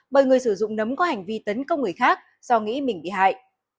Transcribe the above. bởi người sử dụng nấm có hành vi tấn công người khác do nghĩ mình bị hại